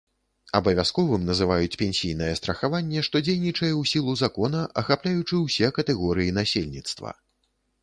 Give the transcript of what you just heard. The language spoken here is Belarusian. Абавязковым называюць пенсійнае страхаванне, што дзейнічае ў сілу закона, ахапляючы ўсе катэгорыі насельніцтва.